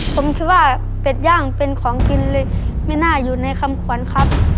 ผมคิดว่าเป็ดย่างเป็นของกินเลยไม่น่าอยู่ในคำควรครับ